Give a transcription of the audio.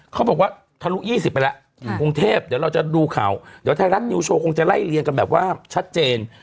เขาบอกว่าทะลุ๒๐ไปแล้วอยู่กรุงเทพเดี๋ยวเราจะดูข่าวเดี๋ยวไทยรัฐนิวโชว์คงจะไล่เรียงกันแบบว่าชัดเจน